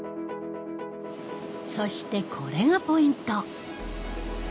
そしてこれがポイント！